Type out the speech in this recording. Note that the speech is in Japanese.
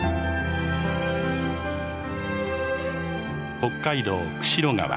北海道釧路川。